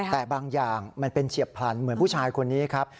แต่บางอย่างมันเป็นเฉียบพลันเหมือนผู้ชายคนนี้ครับ